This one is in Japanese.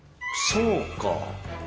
そうか！